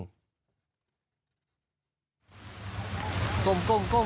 ก้ม